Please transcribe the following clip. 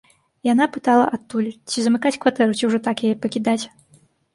Яна пытала адтуль, ці замыкаць кватэру, ці ўжо так яе пакідаць.